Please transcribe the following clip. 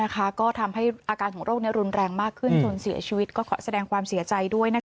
ก็ทำให้อาการของโรครุนแรงมากขึ้นจนเสียชีวิตก็ขอแสดงความเสียใจด้วย